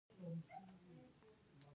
د پښتو بقا د پښتنو بقا ده.